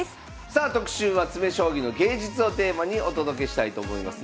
さあ特集は詰将棋の芸術をテーマにお届けしたいと思います。